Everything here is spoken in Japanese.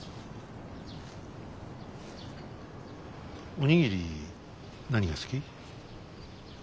お握り何が好き？